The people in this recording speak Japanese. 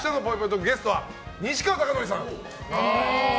トークゲストは西川貴教さん。